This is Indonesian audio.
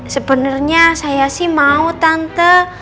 sebenarnya saya sih mau tante